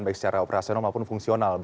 baik secara operasional maupun fungsional